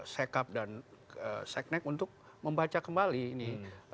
secup dan secnek untuk membaca kembali ini